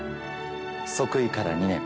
即位から２年。